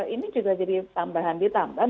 ini juga jadi tambahan ditambah